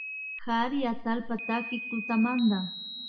Kari atallpa takik tutamanta